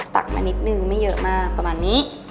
ตักมานิดนึงไม่เยอะมากประมาณนี้